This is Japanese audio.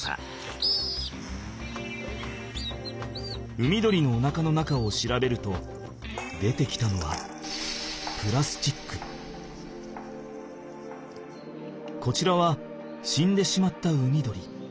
海鳥のおなかの中を調べると出てきたのはこちらは死んでしまった海鳥。